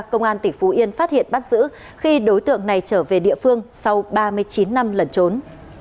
công an tỉnh phú yên phát hiện bắt giữ khi đối tượng này trở về địa phương sau ba mươi chín năm lẩn trốn